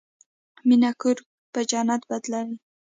مینه کور په جنت بدلوي.